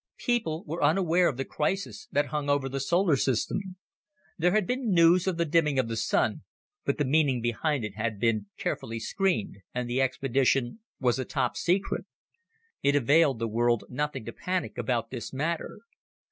People were unaware of the crisis that hung over the solar system. There had been news of the dimming of the Sun, but the meaning behind it had been carefully screened, and the expedition was a top secret. It availed the world nothing to panic about this matter.